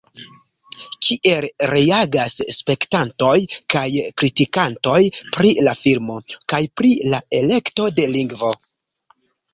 Kiel reagas spektantoj kaj kritikantoj pri la filmo, kaj pri la elekto de lingvo?